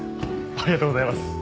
ありがとうございます。